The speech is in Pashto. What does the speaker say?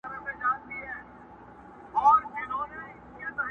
بوډا سوم لا تر اوسه په سِر نه یم پوهېدلی!